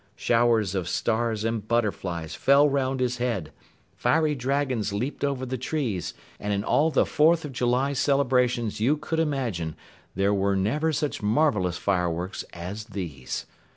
Showers of stars and butterflies fell 'round his head, fiery dragons leaped over the trees, and in all the Fourth of July celebrations you could imagine there were never such marvelous fireworks as these.